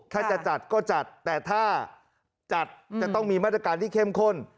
ถ้าจะจัดก็จัดแต่ถ้าจัดจะต้องมีมาตรการที่เข้มข้น